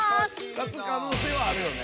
「勝つ可能性はあるよね」